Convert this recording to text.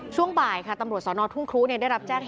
ช่วงบ่ายค่ะตำรวจสนทุ่งครูได้รับแจ้ง